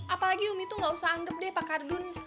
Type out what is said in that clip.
apalagi umi tuh gak usah anggap deh pak kardun